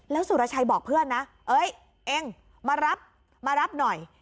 แล้วสุรชัยบอกเพื่อนนะเอ้ยเองมารับมารับหน่อย